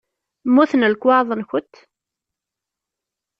Mmuten lekwaɣeḍ-nkent?